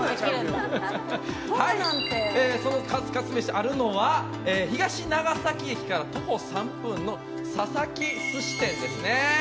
そのカツカツ飯があるのは東長崎駅から徒歩３分のささき寿司店です。